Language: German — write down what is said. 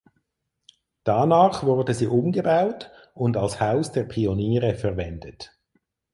Danach wurde sie umgebaut und als "Haus der Pioniere" verwendet.